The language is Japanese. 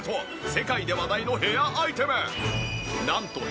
世界で話題のヘアアイテム。